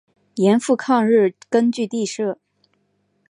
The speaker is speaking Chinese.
盐阜抗日根据地设。